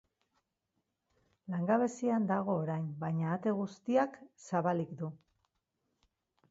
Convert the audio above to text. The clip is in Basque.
Langabezian dago orain baina, ate guztiak zabalik du.